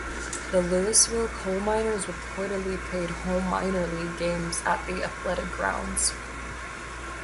The Louisville Coal Miners reportedly played home minor league games at the Athletic Grounds.